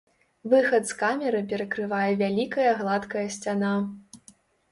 Выхад з камеры перакрывае вялікая гладкая сцяна.